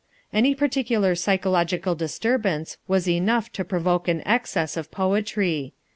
Any particular psychological disturbance was enough to provoke an excess of poetry.